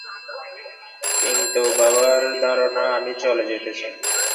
কিন্তু বাবার ধারণা, আমি চলে যেতে চাই।